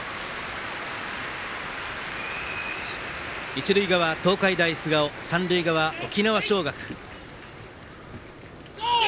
一塁側、東海大菅生三塁側、沖縄尚学。